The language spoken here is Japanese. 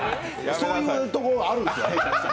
そういうところがあるんですよ。